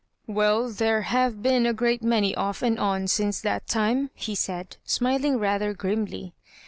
" "Well, there have been a great many off and on since that time," he said, smiling rather grimly.